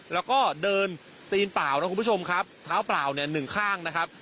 แล้วก็เดินตีนเปล่านะคุณผู้ชมครับเท้าเปล่าเนี่ยหนึ่งข้างนะครับ